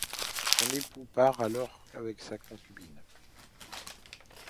Son époux part alors avec sa concubine.